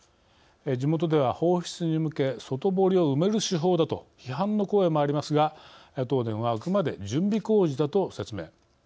地元では放出に向け外堀を埋める手法だと批判の声もありますが東電はあくまで準備工事だと説明。